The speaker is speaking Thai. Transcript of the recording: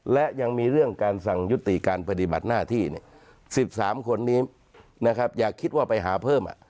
และยังมีเรื่องการสั่งยุติการปฏิบัติหน้าที่๑๓คนนี้นะครับอย่าคิดว่าไปหาเพิ่ม